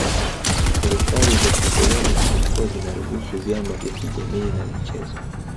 Serikali za kikoloni zilikuwa zinaruhusu vyama vya kijamii na michezo